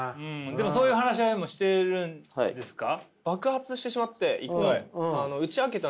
でもそういう話し合いもしてるんですか？